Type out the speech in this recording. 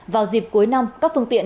vào dịp cuối năm các phương tiện